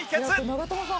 「長友さん